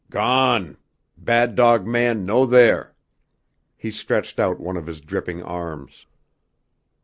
"Gone! Bad dog man no there!" He stretched out one of his dripping arms.